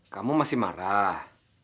kamu masih marah